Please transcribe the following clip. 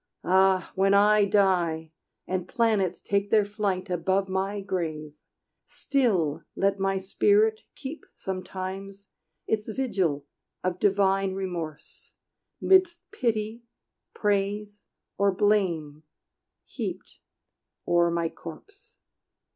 Ah, when I die, and planets take their flight Above my grave, still let my spirit keep Sometimes its vigil of divine remorse, 'Midst pity, praise, or blame heaped o'er my corse!